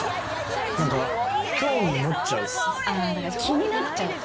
気になっちゃう。